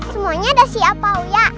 semuanya udah siap pak